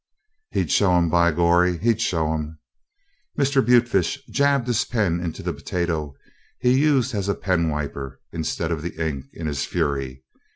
He'd show 'em, by gorry! He'd show 'em! Mr. Butefish jabbed his pen into the potato he used as a penwiper, instead of the ink, in his fury.